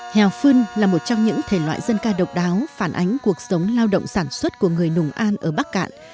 hèo phân là một trong những thể loại dân ca độc đáo phản ánh cuộc sống lao động sản xuất của người nùng an ở bắc cạn